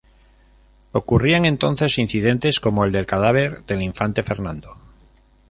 Ocurrían entonces incidentes como el del cadáver del infante Fernando.